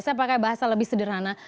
saya pakai bahasa lebih sederhana